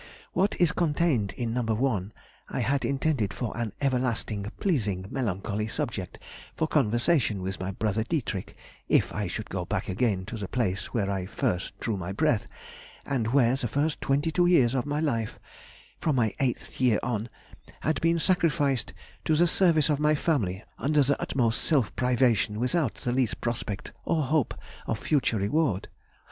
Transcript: What is contained in No. 1 I had intended for an everlasting pleasing melancholy subject for conversation with my brother Dietrich, if I should go back again to the place where I first drew my breath, and where the first twenty two years of my life (from my eighth year on) had been sacrificed to the service of my family under the utmost self privation without the least prospect or hope of future reward.